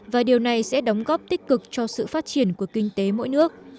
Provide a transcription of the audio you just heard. và điều này sẽ đóng góp tích cực cho sự phát triển của kinh tế mỗi nước